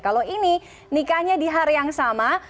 kalau ini nikahnya di hari yang sama